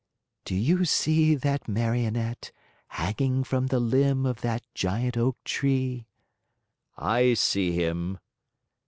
"Do you see that Marionette hanging from the limb of that giant oak tree?" "I see him."